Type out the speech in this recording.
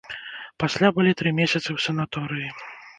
Пасля былі тры месяцы ў санаторыі.